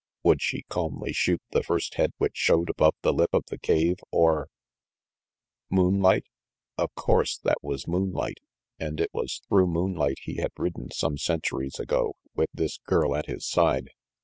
Would she calmly shoot the first head which showed above the lip of the cave, or Moonlight? Of course that was moonlight, and it was through moonlight he had ridden some cen turies ago, with this girl at his side.